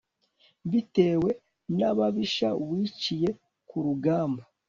bitewe n'ababisha wiciye ku rugamba